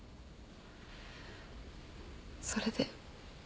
それで。